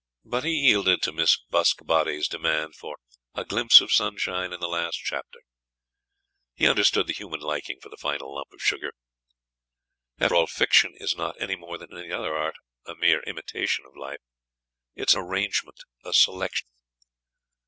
But he yielded to Miss Buskbody's demand for "a glimpse of sunshine in the last chapter;" he understood the human liking for the final lump of sugar. After all, fiction is not, any more than any other art, a mere imitation of life: it is an arrangement, a selection.